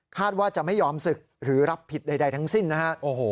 ว่าจะไม่ยอมศึกหรือรับผิดใดทั้งสิ้นนะฮะ